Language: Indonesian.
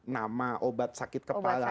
nama obat sakit kepala